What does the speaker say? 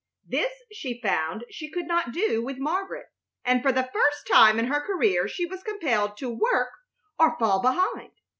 This she found she could not do with Margaret, and for the first time in her career she was compelled to work or fall behind.